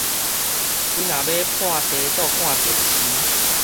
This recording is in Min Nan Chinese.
你若欲半䖙倒看電視